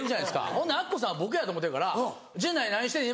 ほんでアッコさんは僕やと思うてるから「陣内何してん？